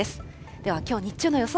ではきょう日中の予想